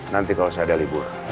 nanti kalau saya ada libur